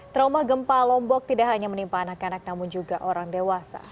trauma gempa lombok tidak hanya menimpa anak anak namun juga orang dewasa